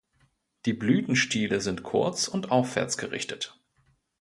Die Blütenstiele sind kurz und aufwärts gerichtet.